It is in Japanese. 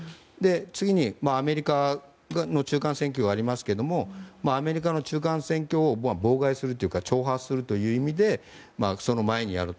次にアメリカの中間選挙がありますけどもアメリカの中間選挙を妨害するというか挑発するという意味でその前にやる。